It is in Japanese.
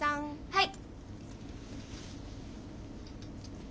はい。